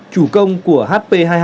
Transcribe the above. chủ công của hp hai mươi hai